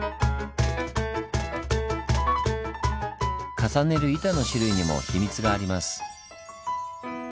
重ねる板の種類にも秘密があります。